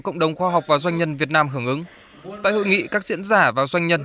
cộng đồng khoa học và doanh nhân việt nam hưởng ứng tại hội nghị các diễn giả và doanh nhân